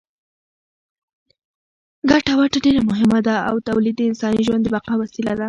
ګټه وټه ډېره مهمه ده او تولید د انساني ژوند د بقا وسیله ده.